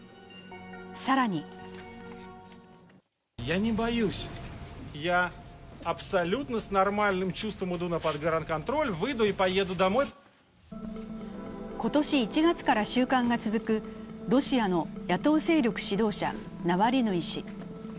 更に今年１月から収監が続くロシアの野党勢力指導者ナワリヌイ氏。